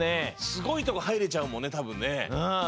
すごいとこはいれちゃうもんねたぶんね。